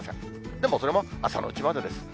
でも、それも朝のうちまでです。